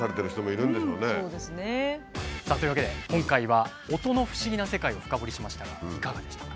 さあというわけで今回は音の不思議な世界を深掘りしましたがいかがでしたか？